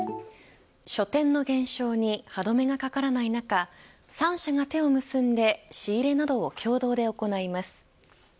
書店の減少に歯止めがかからない中３社が手を結んで仕入れなどを共同で行います。